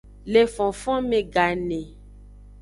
Le fonfonme gane.